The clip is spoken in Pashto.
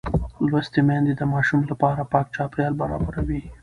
لوستې میندې د ماشوم لپاره پاک چاپېریال برابروي.